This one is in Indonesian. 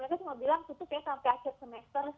mereka cuma bilang tutup ya sampai akhir semester